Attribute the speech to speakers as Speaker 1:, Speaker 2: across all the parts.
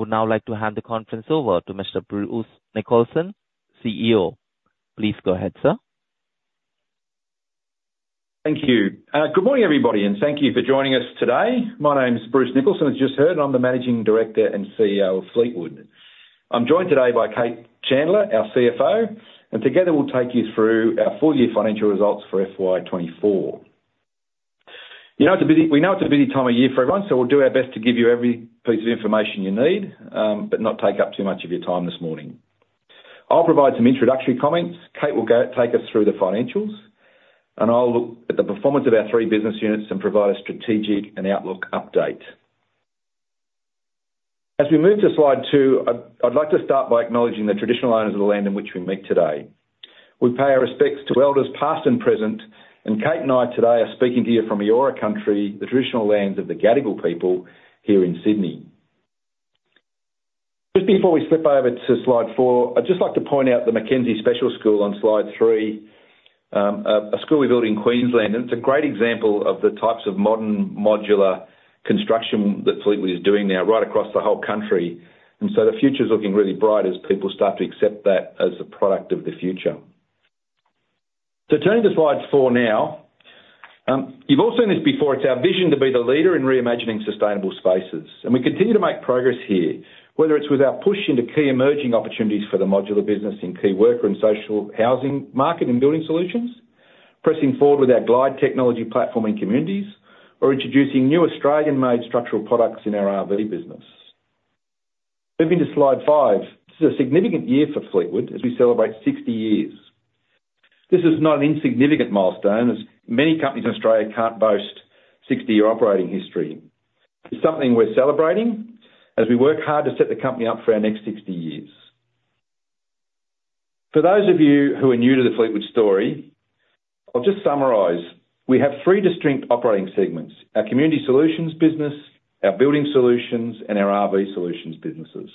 Speaker 1: I would now like to hand the conference over to Mr. Bruce Nicholson, CEO. Please go ahead, sir.
Speaker 2: Thank you. Good morning, everybody, and thank you for joining us today. My name is Bruce Nicholson, as you just heard, and I'm the Managing Director and CEO of Fleetwood. I'm joined today by Cate Chandler, our CFO, and together we'll take you through our full year financial results for FY 2024. You know, it's a busy-- We know it's a busy time of year for everyone, so we'll do our best to give you every piece of information you need, but not take up too much of your time this morning. I'll provide some introductory comments, Cate will go take us through the financials, and I'll look at the performance of our three business units and provide a strategic and outlook update. As we move to slide two, I'd like to start by acknowledging the traditional owners of the land in which we meet today. We pay our respects to elders, past and present, and Cate and I today are speaking to you from Eora Country, the traditional lands of the Gadigal people here in Sydney. Just before we flip over to slide four, I'd just like to point out the Mackenzie Special School on slide three. A school we built in Queensland, and it's a great example of the types of modern modular construction that Fleetwood is doing now, right across the whole country, and so the future is looking really bright as people start to accept that as the product of the future, so turning to slide four now. You've all seen this before. It's our vision to be the leader in reimagining sustainable spaces, and we continue to make progress here, whether it's with our push into key emerging opportunities for the modular business in key worker and social housing market and building solutions, pressing forward with our Glyde technology platform in communities, or introducing new Australian-made structural products in our RV business. Moving to Slide five. This is a significant year for Fleetwood as we celebrate sixty years. This is not an insignificant milestone, as many companies in Australia can't boast 60-year operating history. It's something we're celebrating as we work hard to set the company up for our next 60 years. For those of you who are new to the Fleetwood story, I'll just summarize. We have three distinct operating segments: our Community Solutions business, our Building Solutions, and our RV Solutions businesses.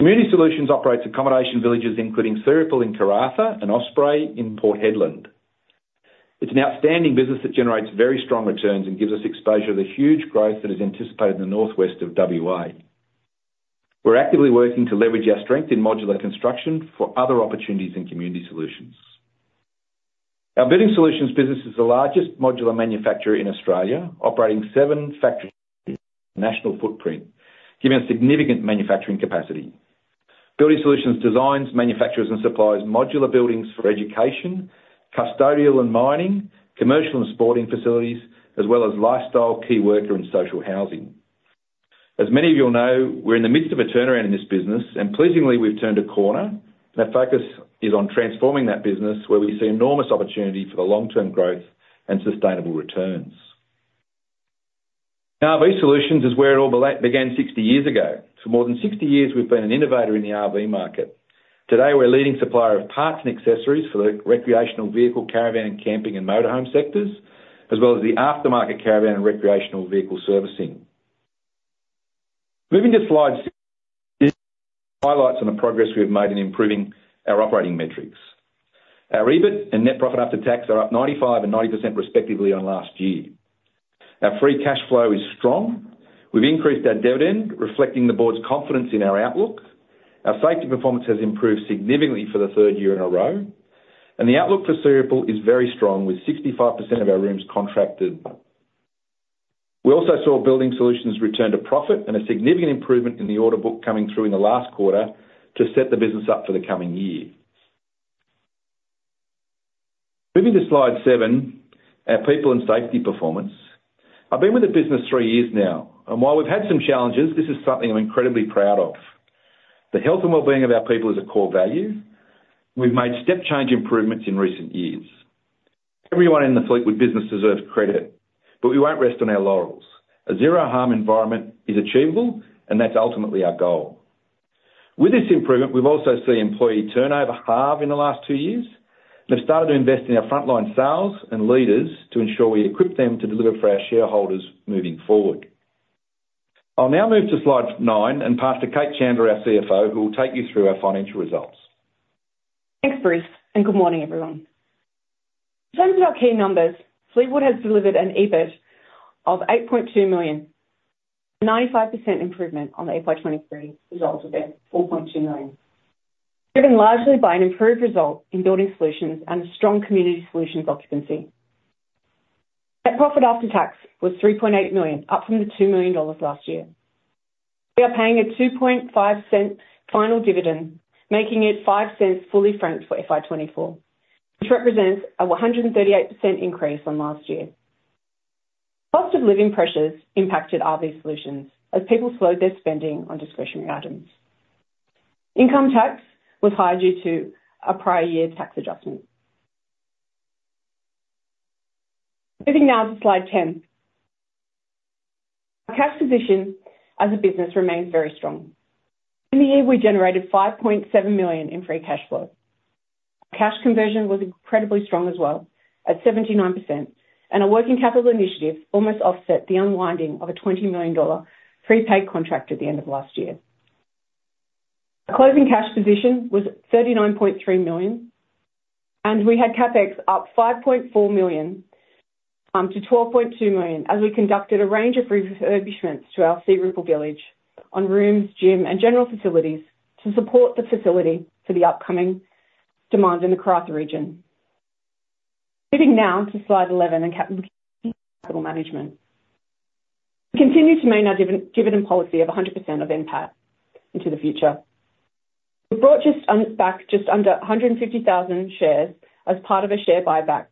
Speaker 2: Community Solutions operates accommodation villages, including Searipple in Karratha and Osprey in Port Hedland. It's an outstanding business that generates very strong returns and gives us exposure to the huge growth that is anticipated in the northwest of WA. We're actively working to leverage our strength in modular construction for other opportunities in Community Solutions. Our Building Solutions business is the largest modular manufacturer in Australia, operating seven factories, national footprint, giving us significant manufacturing capacity. Building Solutions designs, manufactures and supplies modular buildings for education, custodial and mining, commercial and sporting facilities, as well as lifestyle, key worker and social housing. As many of you all know, we're in the midst of a turnaround in this business, and pleasingly, we've turned a corner, and our focus is on transforming that business, where we see enormous opportunity for the long-term growth and sustainable returns. Now, RV Solutions is where it all began 60 years ago. For more than 60 years, we've been an innovator in the RV market. Today, we're a leading supplier of parts and accessories for the recreational vehicle, caravan and camping, and motorhome sectors, as well as the aftermarket caravan and recreational vehicle servicing. Moving to slide highlights on the progress we have made in improving our operating metrics. Our EBIT and net profit after tax are up 95% and 90%, respectively, on last year. Our free cash flow is strong. We've increased our dividend, reflecting the board's confidence in our outlook. Our safety performance has improved significantly for the third year in a row, and the outlook for Searipple is very strong, with 65% of our rooms contracted. We also saw Building Solutions return to profit and a significant improvement in the order book coming through in the last quarter to set the business up for the coming year. Moving to slide seven, our people and safety performance. I've been with the business three years now, and while we've had some challenges, this is something I'm incredibly proud of. The health and wellbeing of our people is a core value. We've made step-change improvements in recent years. Everyone in the Fleetwood business deserves credit, but we won't rest on our laurels. A zero-harm environment is achievable, and that's ultimately our goal. With this improvement, we've also seen employee turnover halve in the last two years. We've started to invest in our frontline sales and leaders to ensure we equip them to deliver for our shareholders moving forward. I'll now move to slide nine and pass to Cate Chandler, our CFO, who will take you through our financial results.
Speaker 3: Thanks, Bruce, and good morning, everyone. In terms of our key numbers, Fleetwood has delivered an EBIT of 8.2 million, 95% improvement on the FY 2023 results of about 4.2 million. Driven largely by an improved result in building solutions and a strong Community Solutions occupancy. Net profit after tax was AUD 3.8 million, up from AUD 2 million last year. We are paying a 0.025 final dividend, making it 0.05, fully franked for FY 2024, which represents a 138% increase on last year. Cost of living pressures impacted RV solutions as people slowed their spending on discretionary items. Income tax was higher due to a prior year's tax adjustment. Moving now to slide 10. Our cash position as a business remains very strong. In the year, we generated 5.7 million in free cash flow. Cash conversion was incredibly strong as well at 79%, and a working capital initiative almost offset the unwinding of a 20 million dollar prepaid contract at the end of last year. The closing cash position was 39.3 million, and we had CapEx up 5.4 million-12.2 million, as we conducted a range of refurbishments to our Searipple Village on rooms, gym, and general facilities to support the facility for the upcoming demands in the Karratha region. Moving now to slide 11 and capital management. We continue to maintain our dividend policy of 100% of NPAT into the future. We bought just under a hundred and fifty thousand shares as part of a share buyback,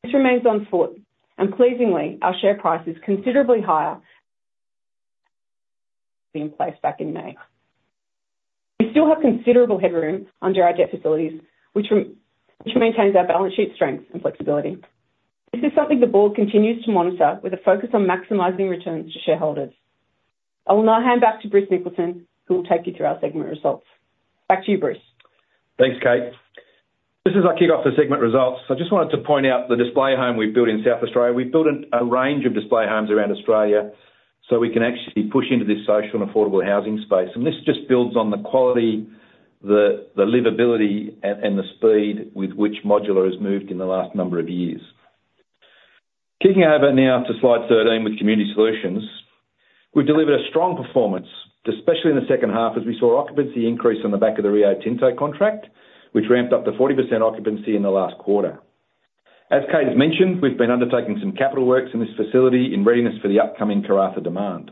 Speaker 3: which remains on foot, and pleasingly, our share price is considerably higher than in place back in May. We still have considerable headroom under our debt facilities, which maintains our balance sheet strength and flexibility. This is something the board continues to monitor with a focus on maximizing returns to shareholders. I will now hand back to Bruce Nicholson, who will take you through our segment results. Back to you, Bruce.
Speaker 2: Thanks, Cate. This is our kickoff for segment results. I just wanted to point out the display home we've built in South Australia. We've built a range of display homes around Australia, so we can actually push into this social and affordable housing space, and this just builds on the quality, the livability, and the speed with which modular has moved in the last number of years. Kicking over now to slide 13 with Community Solutions. We've delivered a strong performance, especially in the second half, as we saw occupancy increase on the back of the Rio Tinto contract, which ramped up to 40% occupancy in the last quarter. As Cate has mentioned, we've been undertaking some capital works in this facility in readiness for the upcoming Karratha demand.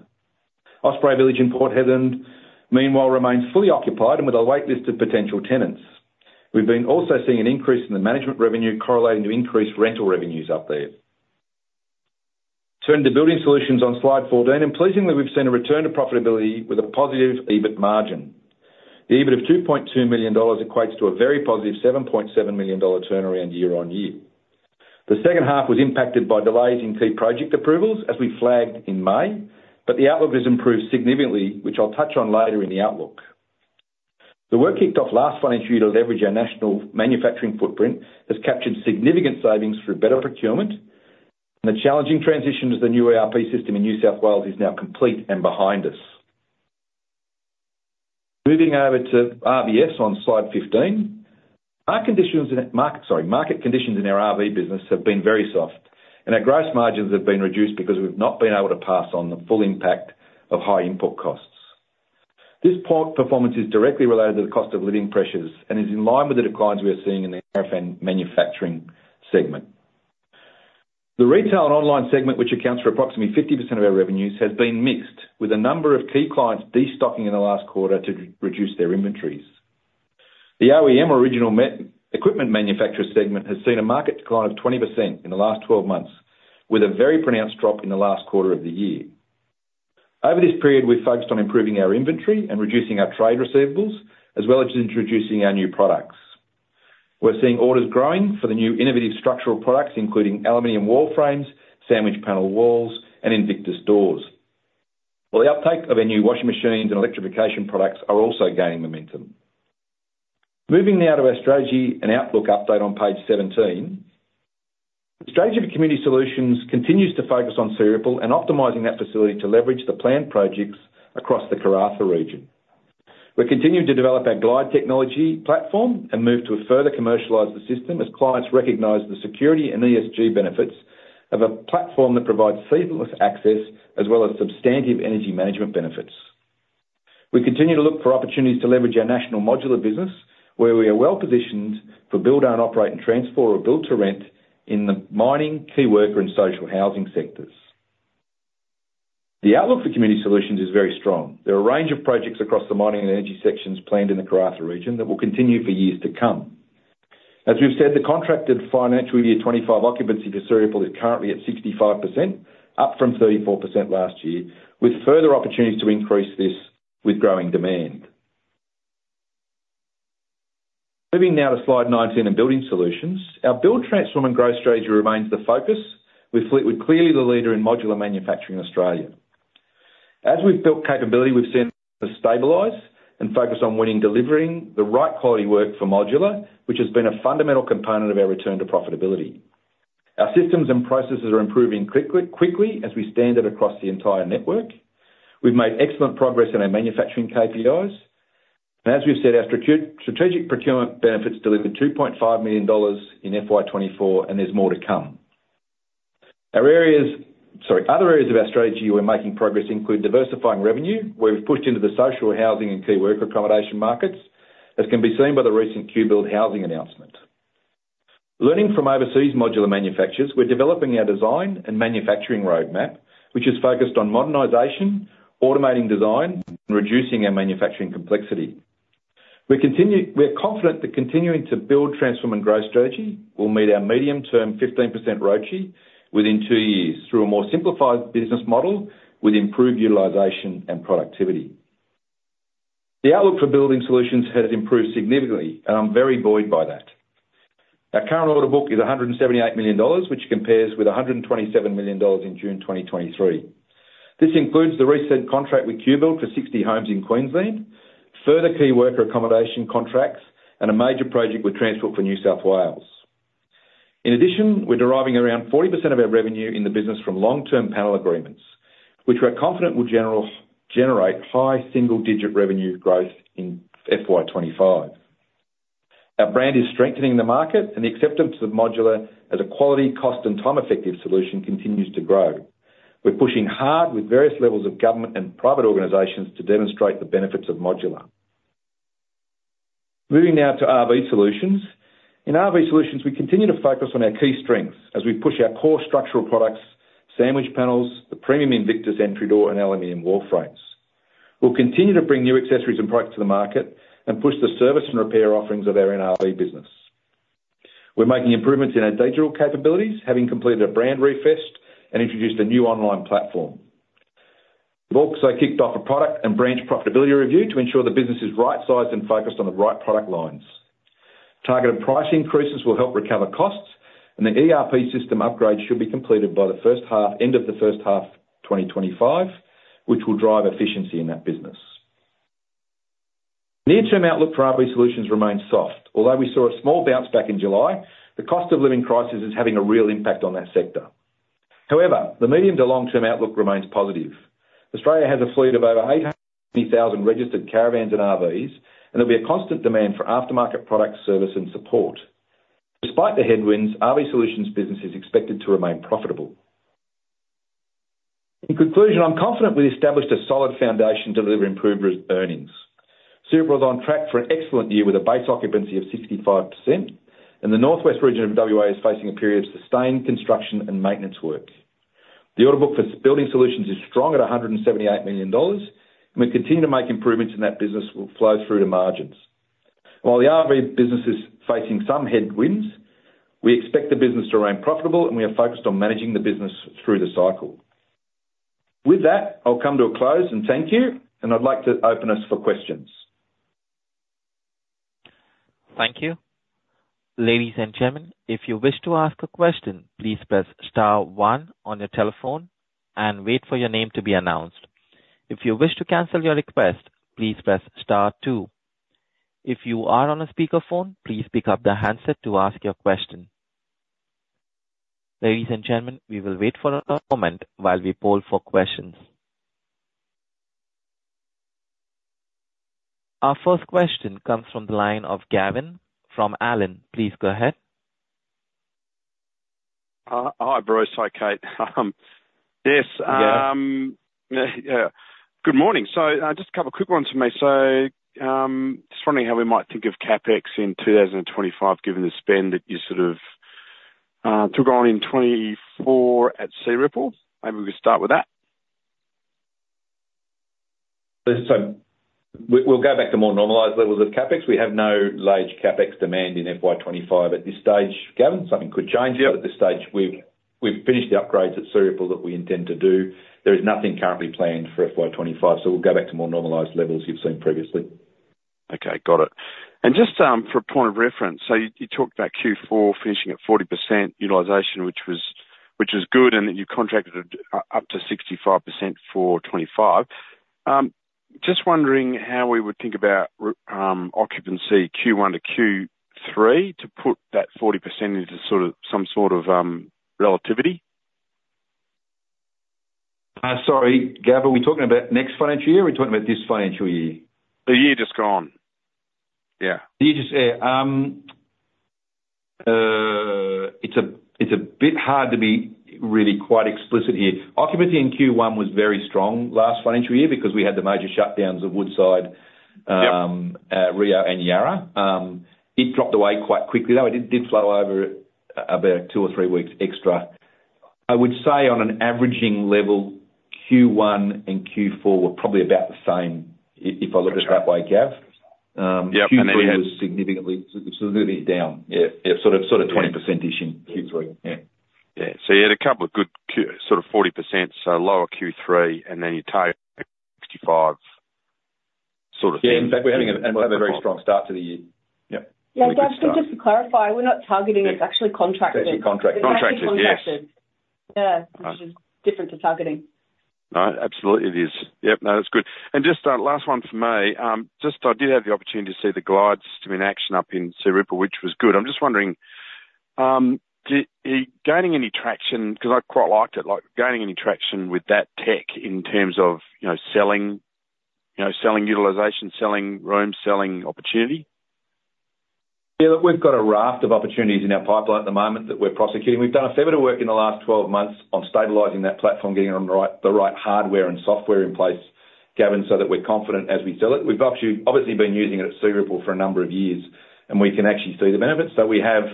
Speaker 2: Osprey Village in Port Hedland, meanwhile, remains fully occupied and with a wait list of potential tenants. We've been also seeing an increase in the management revenue correlating to increased rental revenues up there. Turning to Building Solutions on slide 14, and pleasingly, we've seen a return to profitability with a positive EBIT margin. The EBIT of 2.2 million dollars equates to a very positive 7.7 million dollar turnaround year on year. The second half was impacted by delays in key project approvals, as we flagged in May, but the outlook has improved significantly, which I'll touch on later in the outlook. The work kicked off last financial year to leverage our national manufacturing footprint, has captured significant savings through better procurement, and the challenging transition to the new ERP system in New South Wales is now complete and behind us. Moving over to RVS on slide 15. Market conditions in our RV business have been very soft, and our gross margins have been reduced because we've not been able to pass on the full impact of high input costs. This poor performance is directly related to the cost of living pressures and is in line with the declines we are seeing in the manufacturing segment. The retail and online segment, which accounts for approximately 50% of our revenues, has been mixed, with a number of key clients destocking in the last quarter to reduce their inventories. The OEM, Original Equipment Manufacturer segment, has seen a market decline of 20% in the last twelve months, with a very pronounced drop in the last quarter of the year. Over this period, we've focused on improving our inventory and reducing our trade receivables, as well as introducing our new products. We're seeing orders growing for the new innovative structural products, including aluminum wall frames, sandwich panel walls, and Invictus doors, while the uptake of our new washing machines and electrification products are also gaining momentum. Moving now to our strategy and outlook update on page seventeen. The strategy for Community Solutions continues to focus on Searipple and optimizing that facility to leverage the planned projects across the Karratha region. We're continuing to develop our Glyde technology platform and move to further commercialize the system as clients recognize the security and ESG benefits of a platform that provides seamless access, as well as substantive energy management benefits. We continue to look for opportunities to leverage our national modular business, where we are well positioned for build, own, operate, and transfer, or build to rent in the mining, key worker, and social housing sectors. The outlook for Community Solutions is very strong. There are a range of projects across the mining and energy sections planned in the Karratha region that will continue for years to come. As we've said, the contracted financial year 2025 occupancy for Searriple is currently at 65%, up from 34% last year, with further opportunities to increase this with growing demand. Moving now to slide 19 in Building Solutions. Our build, transform, and grow strategy remains the focus, with with clearly the leader in modular manufacturing in Australia. As we've built capability, we've seen it stabilize and focus on winning, delivering the right quality work for modular, which has been a fundamental component of our return to profitability. Our systems and processes are improving quickly as we stand it across the entire network. We've made excellent progress in our manufacturing KPIs, and as we've said, our strategic procurement benefits delivered 2.5 million dollars in FY 2024, and there's more to come. Other areas of our strategy we're making progress include diversifying revenue, where we've pushed into the social, housing, and key worker accommodation markets, as can be seen by the recent QBuild housing announcement. Learning from overseas modular manufacturers, we're developing our design and manufacturing roadmap, which is focused on modernization, automating design, and reducing our manufacturing complexity. We're confident that continuing to Build, Transform, Grow strategy will meet our medium-term 15% ROCE within two years through a more simplified business model with improved utilization and productivity. The outlook for Building Solutions has improved significantly, and I'm very buoyed by that. Our current order book is 178 million dollars, which compares with 127 million dollars in June 2023. This includes the recent contract with QBuild for 60 homes in Queensland, further key worker accommodation contracts, and a major project with Transport for New South Wales. In addition, we're deriving around 40% of our revenue in the business from long-term panel agreements, which we're confident will generate high single-digit revenue growth in FY 2025. Our brand is strengthening the market, and the acceptance of modular as a quality, cost, and time-effective solution continues to grow. We're pushing hard with various levels of government and private organizations to demonstrate the benefits of modular. Moving now to RV Solutions. In RV Solutions, we continue to focus on our key strengths as we push our core structural products, sandwich panels, the premium Invictus entry door, and aluminum wall frames. We'll continue to bring new accessories and products to the market and push the service and repair offerings of our RV business. We're making improvements in our digital capabilities, having completed a brand refresh and introduced a new online platform. We've also kicked off a product and branch profitability review to ensure the business is right-sized and focused on the right product lines. Targeted price increases will help recover costs, and the ERP system upgrade should be completed by the end of the first half of twenty twenty-five, which will drive efficiency in that business. The interim outlook for RV Solutions remains soft. Although we saw a small bounce back in July, the cost of living crisis is having a real impact on that sector. However, the medium to long-term outlook remains positive. Australia has a fleet of over 850,000 registered caravans and RVs, and there'll be a constant demand for aftermarket product service and support. Despite the headwinds, RV Solutions business is expected to remain profitable. In conclusion, I'm confident we established a solid foundation to deliver improved re-earnings. Searipple Village is on track for an excellent year with a base occupancy of 65%, and the northwest region of WA is facing a period of sustained construction and maintenance work. The order book for Building Solutions is strong at 178 million dollars, and we continue to make improvements, and that business will flow through to margins. While the RV business is facing some headwinds, we expect the business to remain profitable, and we are focused on managing the business through the cycle. With that, I'll come to a close, and thank you, and I'd like to open us for questions.
Speaker 1: Thank you. Ladies and gentlemen, if you wish to ask a question, please press star one on your telephone and wait for your name to be announced. If you wish to cancel your request, please press star two. If you are on a speakerphone, please pick up the handset to ask your question. Ladies and gentlemen, we will wait for a moment while we poll for questions. Our first question comes from the line of Gavin from Allen. Please go ahead.
Speaker 4: Hi, hi, Bruce. Hi, Cate. Good morning. Just a couple quick ones for me. Just wondering how we might think of CapEx in 2025, given the spend that you sort of took on in 2024 at Searipple? Maybe we could start with that.
Speaker 2: We'll go back to more normalized levels of CapEx. We have no large CapEx demand in FY 2025 at this stage, Gavin. Something could change, yeah, but at this stage, we've finished the upgrades at Searipple that we intend to do. There is nothing currently planned for FY 2025, so we'll go back to more normalized levels you've seen previously.
Speaker 4: Okay, got it. And just for a point of reference, so you talked about Q4 finishing at 40% utilization, which was good, and that you contracted up to 65% for 2025. Just wondering how we would think about occupancy Q1 to Q3 to put that 40% into sort of some sort of relativity.
Speaker 2: Sorry, Gavin, are we talking about next financial year, or are we talking about this financial year?
Speaker 4: The year just gone. Yeah.
Speaker 2: The year just... Yeah, it's a bit hard to be really quite explicit here. Occupancy in Q1 was very strong last financial year because we had the major shutdowns of Woodside.
Speaker 4: Yep
Speaker 2: Rio and Yara. It dropped away quite quickly, though. It did flow over about two or three weeks extra. I would say on an averaging level, Q1 and Q4 were probably about the same if I looked at it that way, Gav.
Speaker 4: Yep-
Speaker 2: Q3 was significantly down. Yeah, yeah, sort of 20%-ish in Q3. Yeah.
Speaker 4: Yeah. So you had a couple of good quarters, sort of 40%, so lower Q3, and then you take 65 sort of thing.
Speaker 2: Yeah, in fact, we're having a very strong start to the year.
Speaker 4: Yep.
Speaker 3: Yeah, Gavin, just to clarify, we're not targeting. It's actually contracted.
Speaker 2: It's in contract.
Speaker 4: Contracted, yes.
Speaker 3: Yeah, which is different to targeting.
Speaker 4: No, absolutely it is. Yep, no, that's good. And just last one from me. Just I did have the opportunity to see the Glyde system in action up in Searipple, which was good. I'm just wondering, did it gaining any traction? Because I quite liked it, like, gaining any traction with that tech in terms of, you know, selling, you know, selling utilization, selling room, selling opportunity?
Speaker 2: Yeah, look, we've got a raft of opportunities in our pipeline at the moment that we're prosecuting. We've done a fair bit of work in the last twelve months on stabilizing that platform, getting it on the right, the right hardware and software in place, Gavin, so that we're confident as we sell it. We've obviously been using it at Searipple for a number of years, and we can actually see the benefits. So we have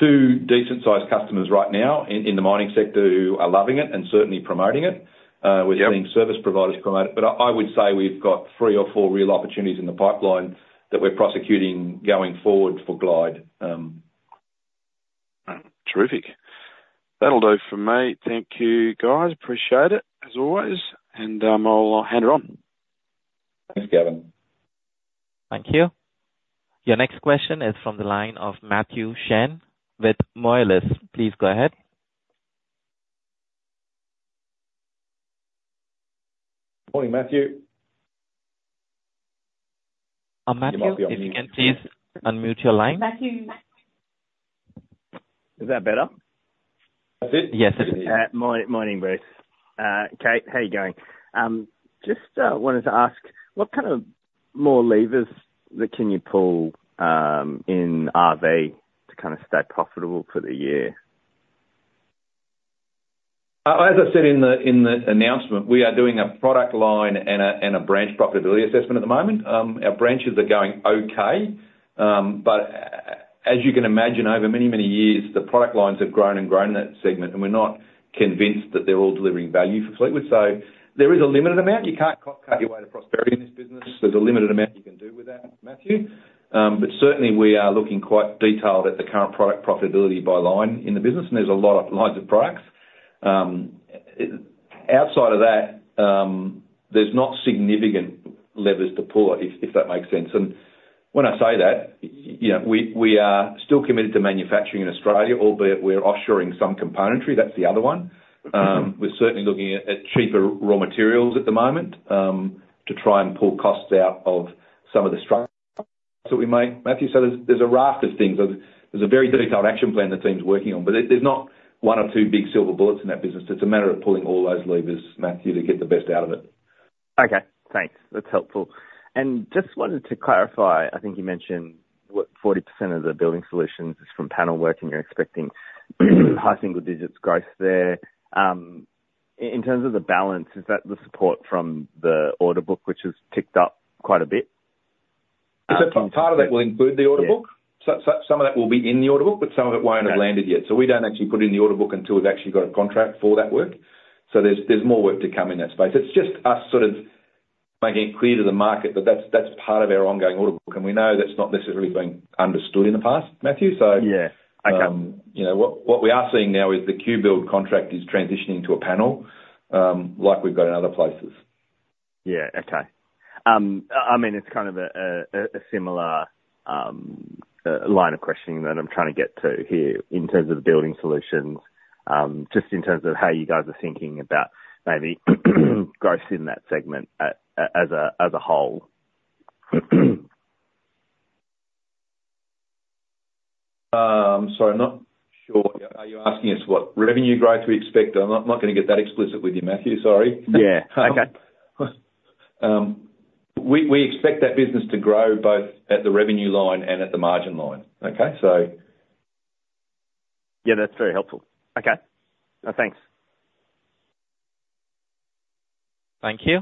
Speaker 2: two decent-sized customers right now in the mining sector who are loving it and certainly promoting it.
Speaker 4: Yep.
Speaker 2: We're seeing service providers promote it, but I would say we've got three or four real opportunities in the pipeline that we're prosecuting going forward for Glyde.
Speaker 4: Terrific. That'll do for me. Thank you, guys. Appreciate it, as always, and I'll hand it on.
Speaker 2: Thanks, Gavin.
Speaker 1: Thank you. Your next question is from the line of Matthew Chen with MA Financial Group. Please go ahead.
Speaker 2: Morning, Matthew,
Speaker 1: Matthew, if you can please unmute your line.
Speaker 3: Matthew?
Speaker 5: Is that better?
Speaker 2: That's it?
Speaker 1: Yes, it is.
Speaker 5: Morning, morning, Bruce. Cate, how are you going? Just wanted to ask, what kind of more levers that can you pull in RV to kinda stay profitable for the year?
Speaker 2: As I said in the announcement, we are doing a product line and a branch profitability assessment at the moment. Our branches are going okay, but as you can imagine, over many, many years, the product lines have grown and grown in that segment, and we're not convinced that they're all delivering value for Fleetwood. So there is a limited amount. You can't cut your way to prosperity in this business. There's a limited amount you can do with that, Matthew. But certainly we are looking quite detailed at the current product profitability by line in the business, and there's a lot of lines of products. Outside of that, there's not significant levers to pull out, if that makes sense. And when I say that, you know, we are still committed to manufacturing in Australia, albeit we're offshoring some componentry, that's the other one. We're certainly looking at cheaper raw materials at the moment, to try and pull costs out of some of the structures that we make, Matthew. So there's a raft of things. There's a very detailed action plan the team's working on, but there's not one or two big silver bullets in that business. It's a matter of pulling all those levers, Matthew, to get the best out of it.
Speaker 5: Okay, thanks. That's helpful. And just wanted to clarify, I think you mentioned what 40% of the Building Solutions is from panel working, you're expecting high single digits growth there. In terms of the balance, is that the support from the order book, which has ticked up quite a bit?
Speaker 2: So part of that will include the order book.
Speaker 5: Yeah.
Speaker 2: Some of that will be in the order book, but some of it won't.
Speaker 5: Okay...
Speaker 2: have landed yet. So we don't actually put it in the order book until we've actually got a contract for that work. So there's more work to come in that space. It's just us sort of making it clear to the market that that's part of our ongoing order book, and we know that's not necessarily been understood in the past, Matthew, so-
Speaker 5: Yeah. Okay.
Speaker 2: you know, what we are seeing now is the QBuild contract is transitioning to a panel, like we've got in other places.
Speaker 5: Yeah. Okay. I mean, it's kind of a similar line of questioning that I'm trying to get to here in terms of the Building Solutions, just in terms of how you guys are thinking about maybe growth in that segment as a whole.
Speaker 2: Sorry, I'm not sure. Are you asking us what revenue growth we expect? I'm not gonna get that explicit with you, Matthew, sorry.
Speaker 5: Yeah. Okay.
Speaker 2: We expect that business to grow both at the revenue line and at the margin line. Okay? So...
Speaker 5: Yeah, that's very helpful. Okay. Thanks.
Speaker 1: Thank you.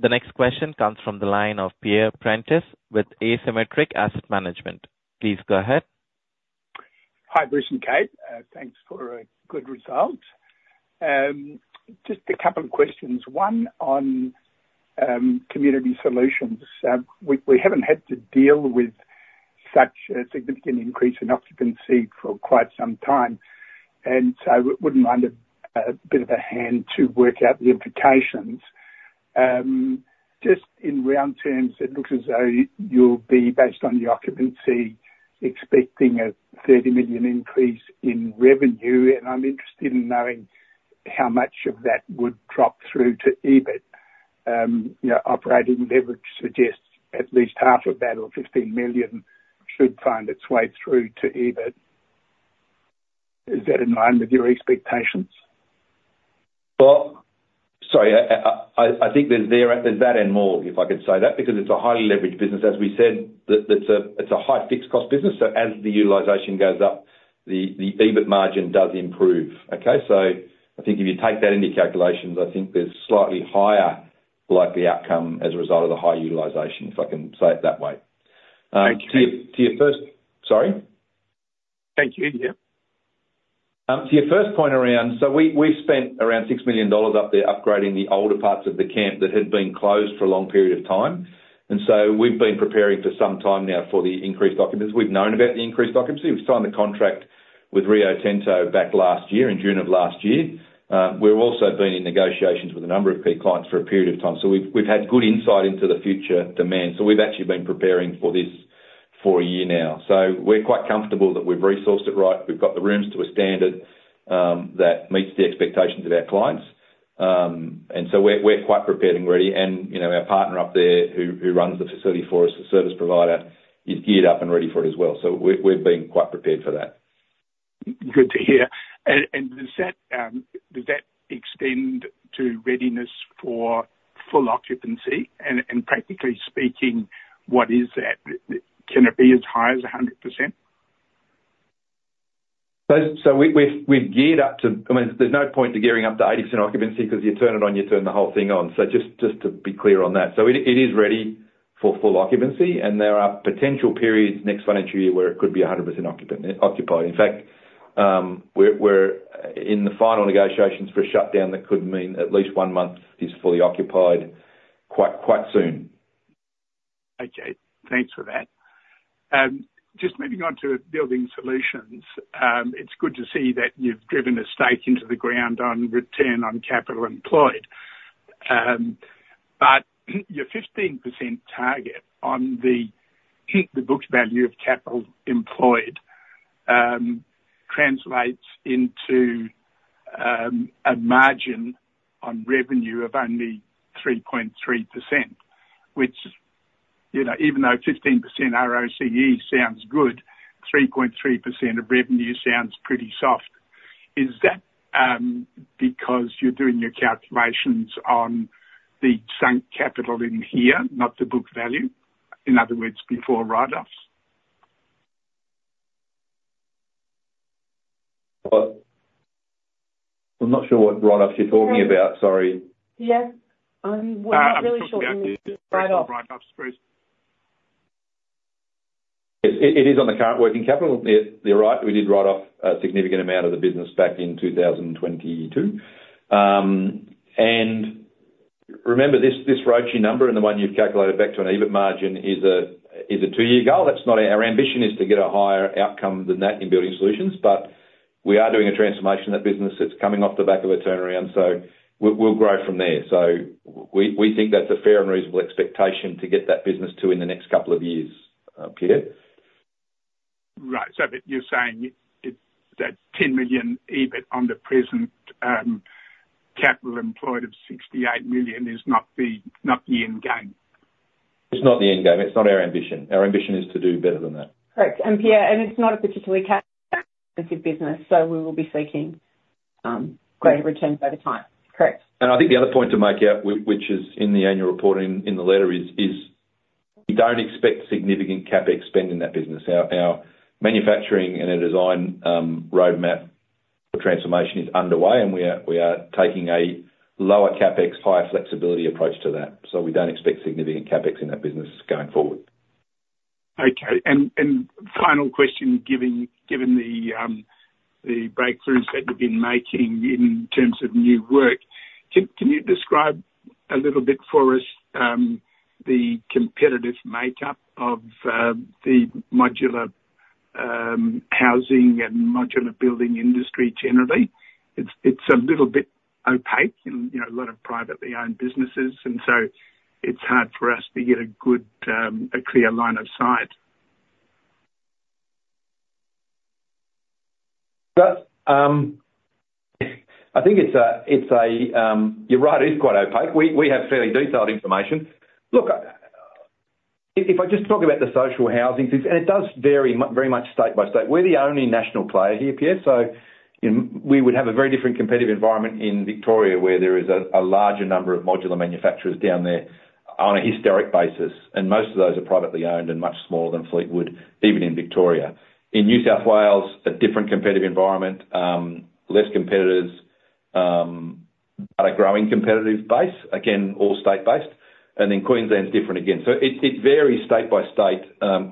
Speaker 1: The next question comes from the line of Pierre Prentice with Asymmetric Asset Management. Please go ahead.
Speaker 6: Hi, Bruce and Cate. Thanks for a good result. Just a couple of questions. One on Community Solutions. We haven't had to deal with such a significant increase in occupancy for quite some time, and so wouldn't mind a bit of a hand to work out the implications. Just in round terms, it looks as though you'll be based on the occupancy, expecting a 30 million increase in revenue, and I'm interested in knowing how much of that would drop through to EBIT. You know, operating leverage suggests at least half of that or 15 million should find its way through to EBIT. Is that in line with your expectations?
Speaker 2: Sorry, I think there's that and more, if I could say that, because it's a highly leveraged business, as we said, that it's a high fixed-cost business, so as the utilization goes up, the EBIT margin does improve. Okay, so I think if you take that into calculations, I think there's slightly higher likely outcome as a result of the high utilization, if I can say it that way.
Speaker 6: Thank you.
Speaker 2: To your first... Sorry?
Speaker 6: Thank you. Yeah.
Speaker 2: To your first point around, so we, we've spent around 6 million dollars up there upgrading the older parts of the camp that had been closed for a long period of time, and so we've been preparing for some time now for the increased occupancy. We've known about the increased occupancy. We've signed a contract with Rio Tinto back last year, in June of last year. We've also been in negotiations with a number of key clients for a period of time, so we've, we've had good insight into the future demand. So we've actually been preparing for this for a year now. So we're quite comfortable that we've resourced it right. We've got the rooms to a standard that meets the expectations of our clients. And so we're quite prepared and ready, and you know, our partner up there, who runs the facility for us, the service provider, is geared up and ready for it as well. So we're being quite prepared for that.
Speaker 6: Good to hear. And does that extend to readiness for full occupancy? And practically speaking, what is that? Can it be as high as 100%?
Speaker 2: So we've geared up to... I mean, there's no point to gearing up to 80% occupancy, 'cause you turn it on, you turn the whole thing on. So just to be clear on that. So it is ready for full occupancy, and there are potential periods next financial year where it could be 100% occupied. In fact, we're in the final negotiations for a shutdown that could mean at least one month is fully occupied quite soon.
Speaker 6: Okay, thanks for that. Just moving on to Building Solutions. It's good to see that you've driven a stake into the ground on return on capital employed. But your 15% target on the book value of capital employed translates into a margin on revenue of only 3.3%, which, you know, even though 15% ROCE sounds good, 3.3% of revenue sounds pretty soft. Is that because you're doing your calculations on the sunk capital in here, not the book value, in other words, before write-offs?
Speaker 2: I'm not sure what write-offs you're talking about. Sorry.
Speaker 3: Yeah. We're not really sure-
Speaker 6: I'm talking about the write-offs, Bruce.
Speaker 2: It is on the current working capital. You're right, we did write off a significant amount of the business back in 2022. And remember, this ROCE number, and the one you've calculated back to an EBIT margin is a two-year goal. That's not our ambition; it is to get a higher outcome than that in Building Solutions, but we are doing a transformation of that business. It's coming off the back of a turnaround, so we'll grow from there. So we think that's a fair and reasonable expectation to get that business to in the next couple of years, Pierre.
Speaker 6: Right. So but you're saying it that 10 million EBIT on the present capital employed of 68 million is not the end game?
Speaker 2: It's not the end game. It's not our ambition. Our ambition is to do better than that.
Speaker 3: Correct. And Pierre, it's not a particularly capital intensive business, so we will be seeking greater returns over time. Correct.
Speaker 2: And I think the other point to make out, which is in the annual report, in the letter, is we don't expect significant CapEx spend in that business. Our manufacturing and our design roadmap for transformation is underway, and we are taking a lower CapEx, higher flexibility approach to that. So we don't expect significant CapEx in that business going forward.
Speaker 6: Okay. And final question, given the breakthroughs that you've been making in terms of new work, can you describe a little bit for us the competitive makeup of the modular housing and modular building industry generally? It's a little bit opaque and, you know, a lot of privately owned businesses, and so it's hard for us to get a good, clear line of sight.
Speaker 2: But, I think it's a... You're right, it is quite opaque. We have fairly detailed information. Look, if I just talk about the social housing piece, and it does vary very much state by state. We're the only national player here, Pierre, so we would have a very different competitive environment in Victoria, where there is a larger number of modular manufacturers down there on a historic basis, and most of those are privately owned and much smaller than Fleetwood, even in Victoria. In New South Wales, a different competitive environment, less competitors, but a growing competitive base, again, all state-based. And then Queensland is different again. So it varies state by state,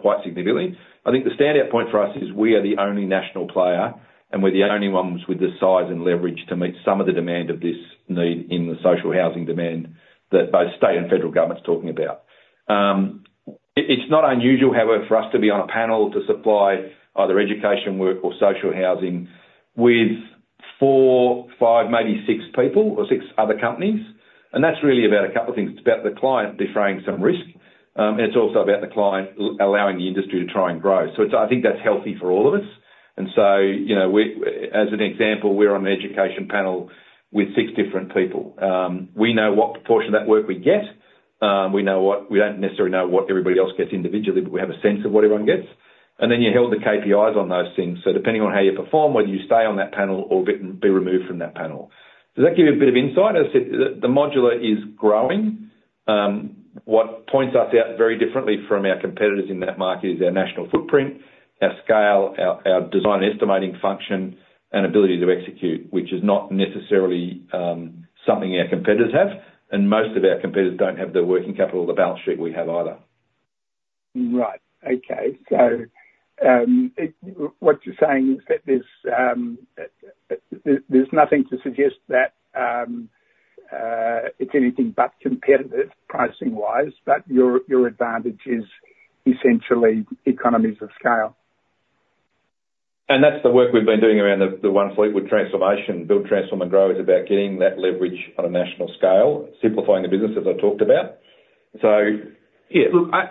Speaker 2: quite significantly. I think the standout point for us is we are the only national player, and we're the only ones with the size and leverage to meet some of the demand of this need in the social housing demand that both state and federal government's talking about. It's not unusual, however, for us to be on a panel to supply either education, work, or social housing with four, five, maybe six people or six other companies, and that's really about a couple of things. It's about the client defraying some risk, and it's also about the client allowing the industry to try and grow. So it's, I think that's healthy for all of us. And so, you know, we, as an example, we're on an education panel with six different people. We know what proportion of that work we get, we know what... We don't necessarily know what everybody else gets individually, but we have a sense of what everyone gets. And then you're held to KPIs on those things. So depending on how you perform, whether you stay on that panel or be removed from that panel. Does that give you a bit of insight? As I said, the modular is growing. What points us out very differently from our competitors in that market is our national footprint, our scale, our design and estimating function, and ability to execute, which is not necessarily something our competitors have, and most of our competitors don't have the working capital or the balance sheet we have either.
Speaker 6: Right. Okay. So, what you're saying is that there's nothing to suggest that it's anything but competitive pricing-wise, but your advantage is essentially economies of scale.
Speaker 2: That's the work we've been doing around the One Fleetwood transformation. Build, Transform, and Grow is about getting that leverage on a national scale, simplifying the business, as I talked about. So yeah, look, I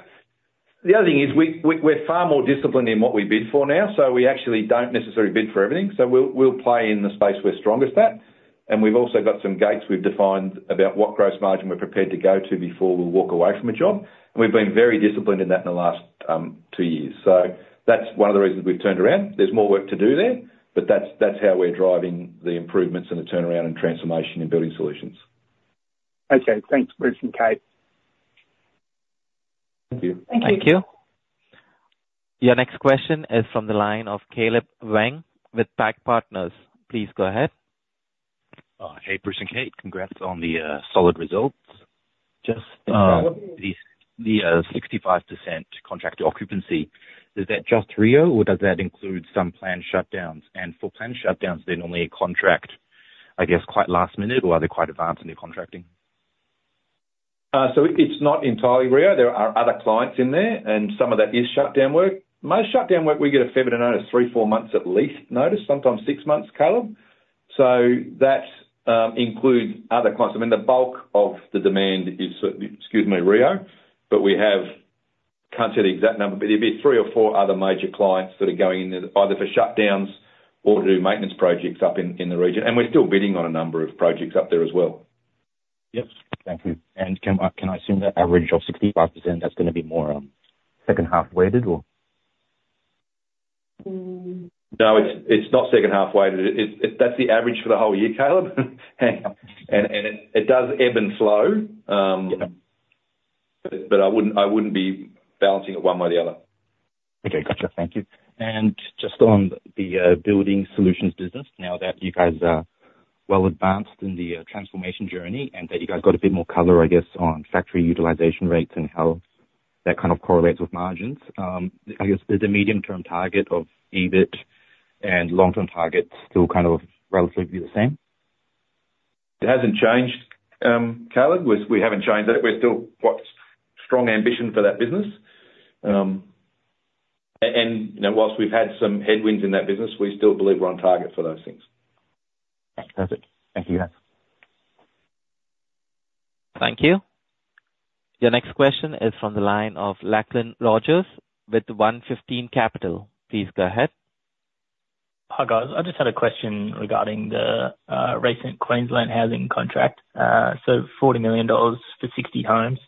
Speaker 2: the other thing is we're far more disciplined in what we bid for now, so we actually don't necessarily bid for everything. So we'll play in the space we're strongest at. And we've also got some gates we've defined about what gross margin we're prepared to go to before we'll walk away from a job, and we've been very disciplined in that in the last two years. So that's one of the reasons we've turned around. There's more work to do there, but that's how we're driving the improvements and the turnaround and transformation in Building Solutions.
Speaker 6: Okay. Thanks, Bruce and Cate.
Speaker 2: Thank you.
Speaker 3: Thank you.
Speaker 1: Thank you. Your next question is from the line of Caleb Weng with PAC Partners. Please go ahead.
Speaker 7: Hey, Bruce and Cate, congrats on the solid results. Just,
Speaker 2: Thank you.
Speaker 7: The 65% contractor occupancy, is that just Rio, or does that include some planned shutdowns? And for planned shutdowns, they normally contract, I guess, quite last minute, or are they quite advanced in their contracting?
Speaker 2: So it, it's not entirely Rio. There are other clients in there, and some of that is shutdown work. Most shutdown work, we get a fair bit of notice, three, four months at least notice, sometimes six months, Caleb. So that includes other clients. I mean, the bulk of the demand is, so, excuse me, Rio, but we have, can't say the exact number, but it'd be three or four other major clients that are going in there, either for shutdowns or to do maintenance projects up in, in the region, and we're still bidding on a number of projects up there as well.
Speaker 7: Yep. Thank you. And can I assume that average of 65%, that's gonna be more, second half weighted, or?
Speaker 2: No, it's not second half weighted. That's the average for the whole year, Caleb. Hang on, and it does ebb and flow.
Speaker 7: Yeah.
Speaker 2: But, I wouldn't be balancing it one way or the other.
Speaker 7: Okay. Gotcha. Thank you. And just on the building solutions business, now that you guys are well advanced in the transformation journey, and that you guys got a bit more color, I guess, on factory utilization rates and how that kind of correlates with margins, I guess, is the medium-term target of EBIT and long-term targets still kind of relatively the same?
Speaker 2: It hasn't changed, Caleb. We haven't changed it. We're still quite strong ambition for that business. You know, whilst we've had some headwinds in that business, we still believe we're on target for those things.
Speaker 7: Perfect. Thank you, guys.
Speaker 1: Thank you. Your next question is from the line of Lachlan Rogers with One Fifteen Capital. Please go ahead.
Speaker 8: Hi, guys. I just had a question regarding the recent Queensland housing contract. So 40 million dollars for 60 homes.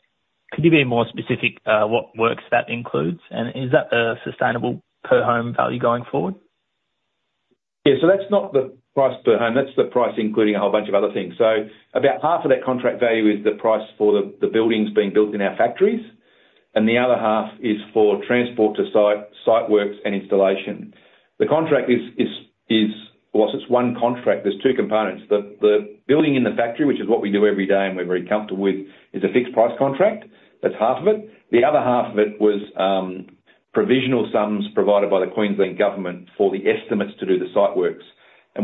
Speaker 8: Could you be more specific, what works that includes? And is that a sustainable per home value going forward?
Speaker 2: Yeah, so that's not the price per home, that's the price including a whole bunch of other things. So about half of that contract value is the price for the buildings being built in our factories, and the other half is for transport to site, site works, and installation. The contract is whilst it's one contract, there's two components. The building in the factory, which is what we do every day, and we're very comfortable with, is a fixed price contract. That's half of it. The other half of it was provisional sums provided by the Queensland government for the estimates to do the site works.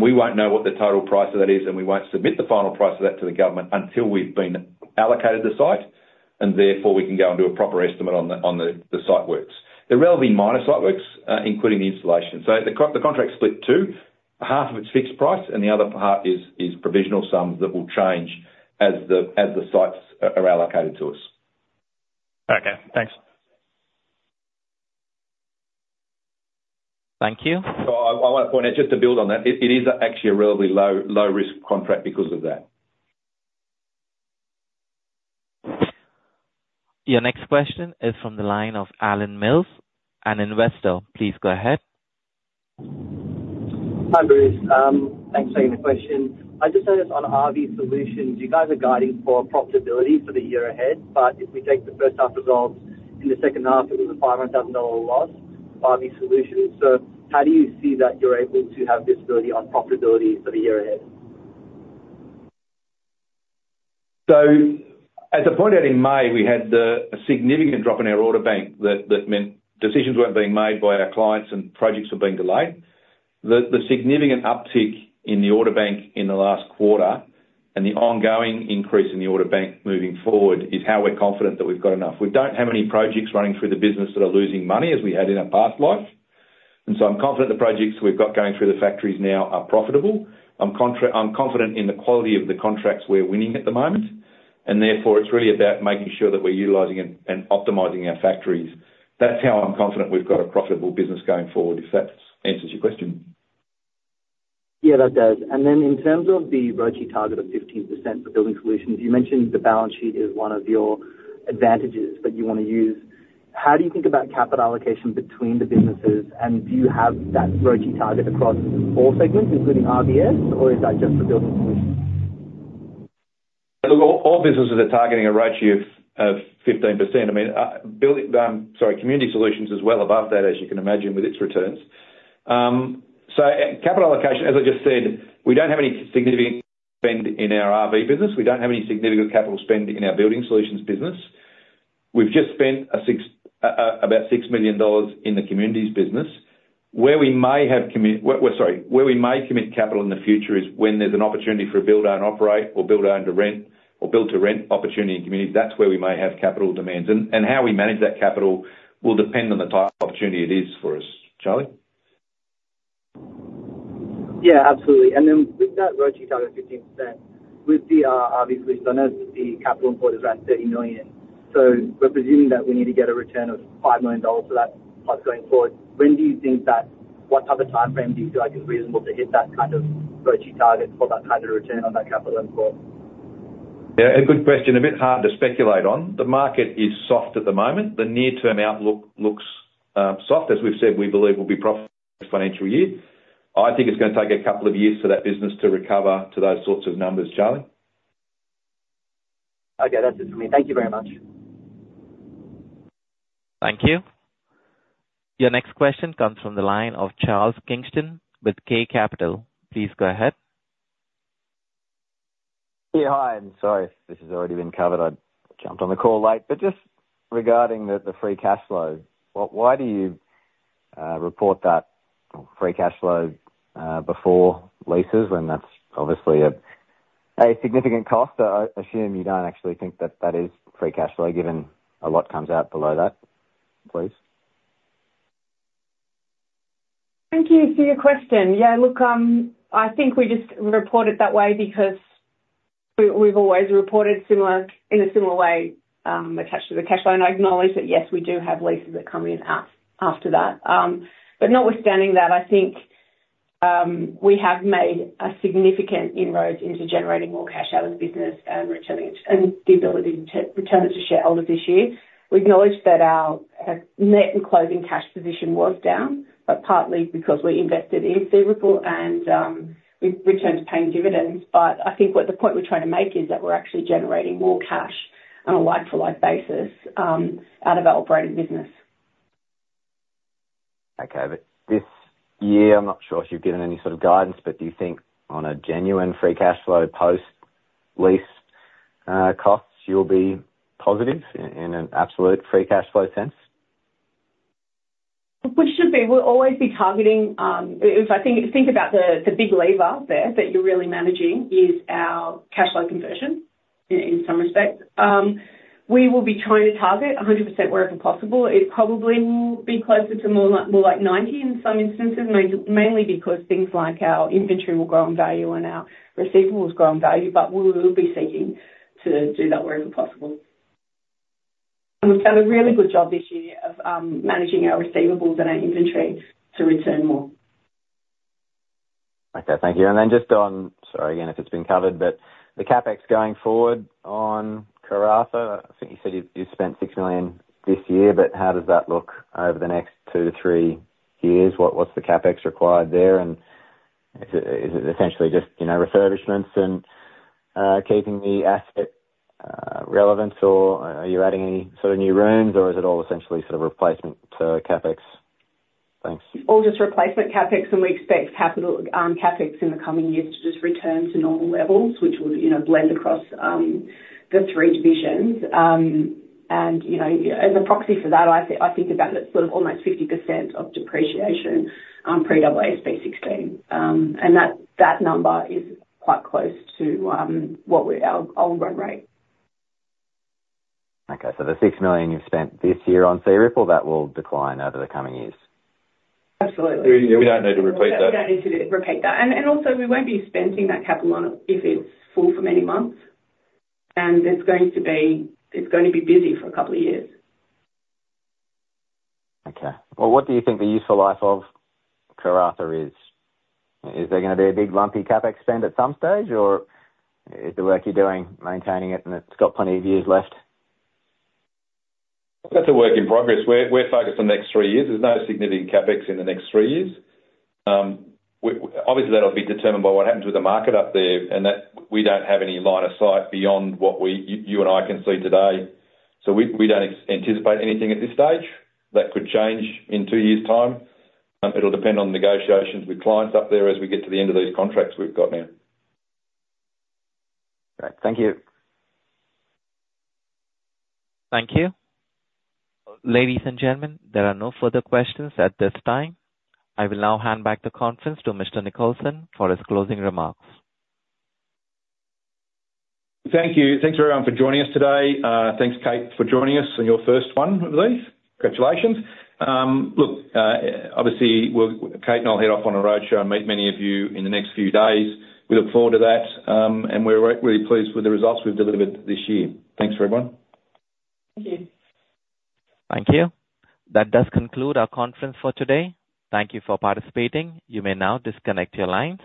Speaker 2: We won't know what the total price of that is, and we won't submit the final price of that to the government until we've been allocated the site, and therefore, we can go and do a proper estimate on the site works. There will be minor site works, including the installation. The contract's split two, half of it's fixed price, and the other half is provisional sums that will change as the sites are allocated to us.
Speaker 8: Okay, thanks.
Speaker 1: Thank you.
Speaker 2: I wanna point out, just to build on that, it is actually a relatively low risk contract because of that.
Speaker 1: Your next question is from the line of Alan Mills, an investor. Please go ahead.
Speaker 9: Hi, Bruce. Thanks for taking the question. I just noticed on RV Solutions, you guys are guiding for profitability for the year ahead, but if we take the first half results in the second half, it was a 500,000 dollar loss, RV Solutions. So how do you see that you're able to have visibility on profitability for the year ahead?
Speaker 2: So, as I pointed out in May, we had a significant drop in our order bank that meant decisions weren't being made by our clients, and projects were being delayed. The significant uptick in the order bank in the last quarter, and the ongoing increase in the order bank moving forward, is how we're confident that we've got enough. We don't have any projects running through the business that are losing money, as we had in our past life, and so I'm confident the projects we've got going through the factories now are profitable. I'm confident in the quality of the contracts we're winning at the moment, and therefore, it's really about making sure that we're utilizing and optimizing our factories. That's how I'm confident we've got a profitable business going forward, if that answers your question.
Speaker 9: Yeah, that does. And then in terms of the ROIC target of 15% for Building Solutions, you mentioned the balance sheet is one of your advantages that you wanna use. How do you think about capital allocation between the businesses, and do you have that ROIC target across all segments, including RBS, or is that just for Building Solutions?
Speaker 2: Look, all businesses are targeting a ROIC of 15%. I mean, Community Solutions is well above that, as you can imagine, with its returns. Capital allocation, as I just said, we don't have any significant spend in our RV business. We don't have any significant capital spend in our Building Solutions business. We've just spent about 6 million dollars in the Communities business. Where we may commit capital in the future is when there's an opportunity for a build, own, and operate, or build, own, to rent, or build-to-rent opportunity in communities. That's where we may have capital demands, and how we manage that capital will depend on the type of opportunity it is for us. Charlie?
Speaker 9: Yeah, absolutely. And then with that ROIC target of 15%, with the, obviously, so I noticed the CapEx is around 30 million, so we're presuming that we need to get a return of 5 million dollars for that part going forward. When do you think that, what type of timeframe do you feel like is reasonable to hit that kind of ROIC target for that kind of return on that CapEx?
Speaker 2: Yeah, a good question. A bit hard to speculate on. The market is soft at the moment. The near-term outlook looks soft. As we've said, we believe we'll be profitable this financial year. I think it's gonna take a couple of years for that business to recover to those sorts of numbers, Charlie.
Speaker 9: Okay, that's it for me. Thank you very much.
Speaker 1: Thank you. Your next question comes from the line of Charles Kingston with K Capital. Please go ahead.
Speaker 10: Yeah, hi, and sorry if this has already been covered. I jumped on the call late. But just regarding the free cash flow, why do you report that free cash flow before leases, when that's obviously a significant cost? I assume you don't actually think that that is free cash flow, given a lot comes out below that, please?
Speaker 3: Thank you for your question. Yeah, look, I think we just report it that way because we, we've always reported similar, in a similar way, attached to the cash flow. And I acknowledge that, yes, we do have leases that come in after that. But notwithstanding that, I think, we have made a significant inroads into generating more cash out of the business and returning, and the ability to return it to shareholders this year. We acknowledge that our, our net and closing cash position was down, but partly because we invested in Searipple and, we've returned to paying dividends. But I think what the point we're trying to make is that we're actually generating more cash on a like-for-like basis, out of our operating business.
Speaker 10: Okay, but this year, I'm not sure if you've given any sort of guidance, but do you think on a genuine free cash flow, post-lease costs, you'll be positive in an absolute free cash flow sense?
Speaker 3: We should be. We'll always be targeting. If I think about the big lever there that you're really managing, is our cash flow conversion in some respects. We will be trying to target 100% wherever possible. It probably will be closer to more like 90% in some instances, mainly because things like our inventory will grow in value and our receivables grow in value, but we will be seeking to do that wherever possible, and we've done a really good job this year of managing our receivables and our inventory to return more.
Speaker 10: Okay, thank you. And then just on... Sorry again if it's been covered, but the CapEx going forward on Karratha, I think you said you spent 6 million this year, but how does that look over the next two to three years? What's the CapEx required there, and is it essentially just, you know, refurbishments and keeping the asset relevant, or are you adding any sort of new rooms, or is it all essentially sort of replacement to CapEx? Thanks.
Speaker 3: All just replacement CapEx, and we expect capital CapEx in the coming years to just return to normal levels, which will, you know, blend across the three divisions. And, you know, as a proxy for that, I think about it, sort of almost 50% of depreciation pre-AASB 16. And that number is quite close to what we... Our run rate.
Speaker 10: Okay. So the 6 million you've spent this year on Searipple, that will decline over the coming years?
Speaker 3: Absolutely.
Speaker 2: We don't need to repeat that.
Speaker 3: We don't need to repeat that. Also, we won't be spending that capital on it if it's full for many months, and it's going to be busy for a couple of years.
Speaker 10: Okay. Well, what do you think the useful life of Karratha is? Is there gonna be a big lumpy CapEx spend at some stage, or is the work you're doing maintaining it, and it's got plenty of years left?
Speaker 2: That's a work in progress. We're focused on the next three years. There's no significant CapEx in the next three years. Obviously, that'll be determined by what happens with the market up there, and that we don't have any line of sight beyond what you and I can see today. So we don't anticipate anything at this stage. That could change in two years' time. It'll depend on negotiations with clients up there as we get to the end of these contracts we've got now.
Speaker 10: Great. Thank you.
Speaker 1: Thank you. Ladies and gentlemen, there are no further questions at this time. I will now hand back the conference to Mr. Nicholson for his closing remarks.
Speaker 2: Thank you. Thanks, everyone, for joining us today. Thanks, Cate, for joining us, and your first one with these. Congratulations. Look, obviously, Cate and I will head off on a roadshow and meet many of you in the next few days. We look forward to that, and we're really pleased with the results we've delivered this year. Thanks, everyone.
Speaker 3: Thank you.
Speaker 1: Thank you. That does conclude our conference for today. Thank you for participating. You may now disconnect your line.